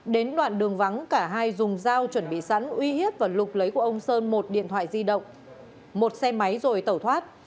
đến đoạn đường vắng cả hai dùng dao chuẩn bị sẵn uy hiếp và lục lấy của ông sơn một điện thoại di động một xe máy rồi tẩu thoát